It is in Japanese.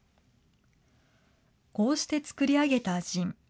こうして造り上げたジン。